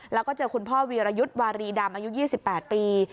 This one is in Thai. แล้วก็เจอคุณพ่อวีรยุทธ์วารีดำอายุ๒๘ปี